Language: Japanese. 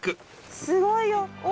すごいよお！